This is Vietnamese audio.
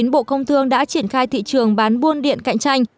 bộ công thương đã triển khai thị trường bán buôn điện cạnh tranh